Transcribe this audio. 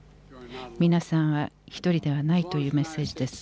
皆さんは１人ではないというメッセージです。